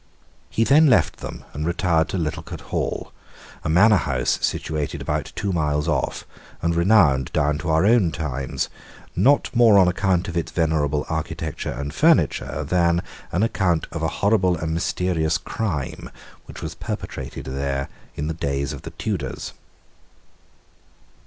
He then left them, and retired to Littlecote Hall, a manor house situated about two miles off, and renowned down to our own times, not more on account of its venerable architecture and furniture than an account of a horrible and mysterious crime which was perpetrated there in the days of the Tudors.